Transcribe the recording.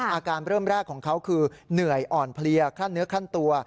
อาการเริ่มแรกของเขาคือเหนื่อยอ่อนเพลียขั้นเนื้อขั้นตัว